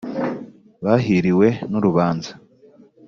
bahiriwe n’urubanza